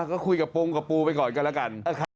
ก็คุยกับปูกับปูไปก่อนกันแล้วกัน